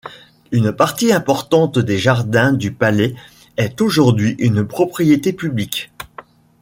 Une partie importante des jardins du palais est aujourd'hui une propriété publique.